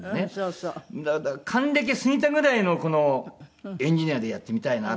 還暦過ぎたぐらいのこのエンジニアでやってみたいな。